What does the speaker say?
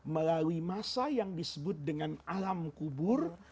melalui masa yang disebut dengan alam kubur